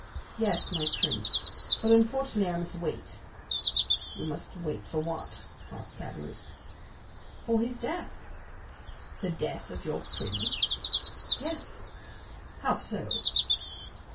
"Yes, my prince. But unfortunately I must wait." 40138m "You must wait for what?" asked Caderousse. "For his death." "The death of your prince?" "Yes." "How so?"